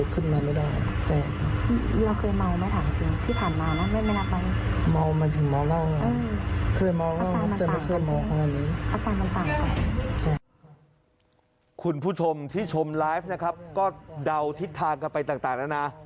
คุณผู้ชมที่ชมไลฟ์นะครับก็เดาทิศทางกันไปต่างแล้วนะ